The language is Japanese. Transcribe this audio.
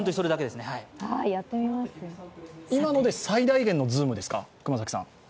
今ので最大限のズームですか？